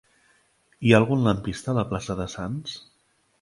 Hi ha algun lampista a la plaça de Sants?